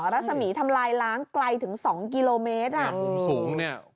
รัศมีร์ทำลายร้างไกลถึง๒กิโลเมตรฮืม